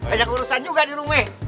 banyak urusan juga di rumah